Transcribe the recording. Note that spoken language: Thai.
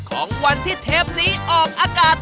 ของวันที่เทปนี้ออกอากาศ